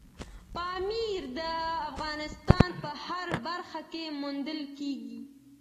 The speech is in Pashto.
پامیر د افغانستان په هره برخه کې موندل کېږي.